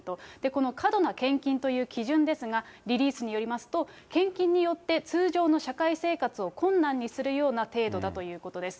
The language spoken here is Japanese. この過度な献金という基準ですが、リリースによりますと、献金によって通常の社会生活を困難にするような程度だということです。